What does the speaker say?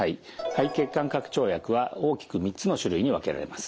肺血管拡張薬は大きく３つの種類に分けられます。